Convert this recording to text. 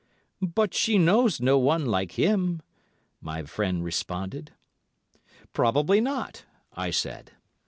"But she knows no one like him," my friend responded. "Probably not," I said.